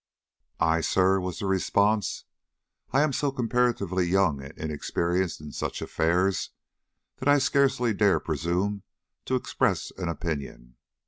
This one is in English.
"I, sir?" was the response. "I am so comparatively young and inexperienced in such affairs, that I scarcely dare presume to express an opinion.